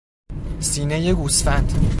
سینهی گوسفند